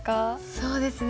そうですね。